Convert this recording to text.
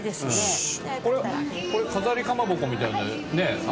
これ飾りかまぼこみたいなね。